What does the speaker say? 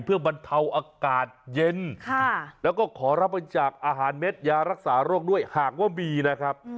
เพื่อบรรเทาอากาศเย็นแล้วก็ขอรับบริจาคอาหารเม็ดยารักษาโรคด้วยหากว่ามีนะครับ